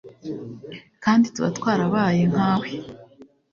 kandi tuba twarabaye nkawe